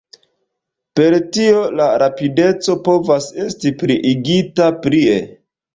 Per tio la rapideco povas esti pliigita plie.